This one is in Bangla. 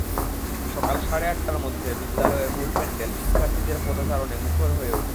সকাল সাড়ে আটটার মধ্যে বিদ্যালয়ের মূল প্যান্ডেল শিক্ষার্থীদের পদচারণে মুখর হয়ে ওঠে।